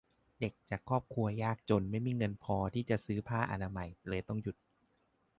เด็กจากครอบครัวยากจนไม่มีเงินพอที่จะซื้อผ้าอนามัย เลยต้องหยุด